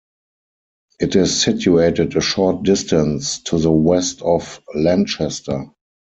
It is situated a short distance to the west of Lanchester.